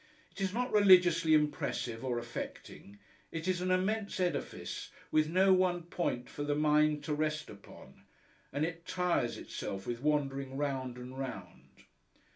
It is not religiously impressive or affecting. It is an immense edifice, with no one point for the mind to rest upon; and it tires itself with wandering round and round.